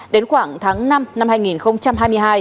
đến khoảng tháng năm năm hai nghìn hai mươi hai